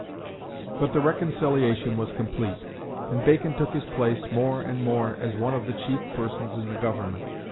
But the reconciliation was complete, and Bacon took his place more and more as one of the chief persons in the Government.